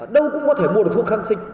đâu cũng có thể mua được thuốc kháng sinh